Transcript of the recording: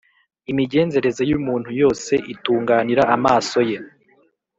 imigenzereze y’umuntu yose itunganira amaso ye,